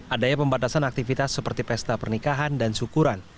adanya pembatasan aktivitas seperti pesta pernikahan dan syukuran